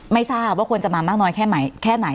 ไม่ทราบว่าควรจะมามากน้อยแค่ไหนแค่ไหน